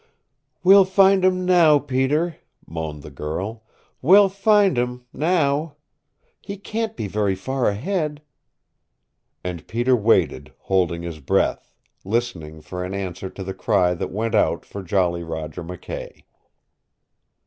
"We'll find him now, Peter," moaned the girl. "We'll find him now. He can't be very far ahead " And Peter waited, holding his breath, listening for an answer to the cry that went out for Jolly Roger McKay.